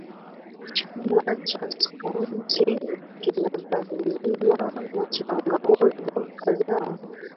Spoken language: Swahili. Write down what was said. Chama cha Skauti kinakabiliwa na changamoto kadhaa